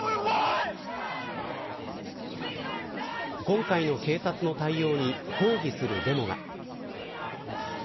今回の警察の対応に抗議するデモが。